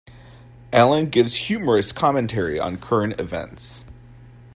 Alan gives humorous commentary on current events.